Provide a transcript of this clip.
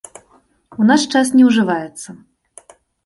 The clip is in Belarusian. У наш час не ўжываецца.